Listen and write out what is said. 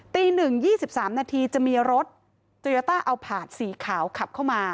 ตี๑๒๓นาทีจะมีรถโตโยต้าเอาผาดสีขาวขับเข้ามา